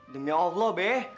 demi allah be